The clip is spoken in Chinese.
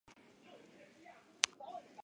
身延町为位于山梨县西南部南巨摩郡的町。